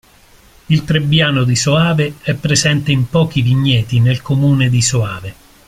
Il Trebbiano di Soave è presente in pochi vigneti del comune di Soave.